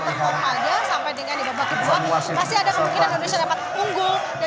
berkompar aja sampai dengan di babak ke dua masih ada kemungkinan indonesia dapat unggul dan juga seimbang dengan gwenea